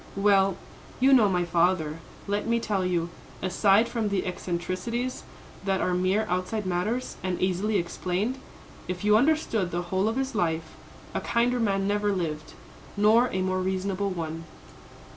"Well, you know my father. Let me tell you, aside from the eccentricities, that are mere outside matters, and easily explained, if you understood the whole of his life, a kinder man never lived, nor a more reasonable one.